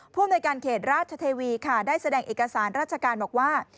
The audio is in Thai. อำนวยการเขตราชเทวีค่ะได้แสดงเอกสารราชการบอกว่า